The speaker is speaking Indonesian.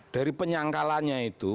dari penyangkalannya itu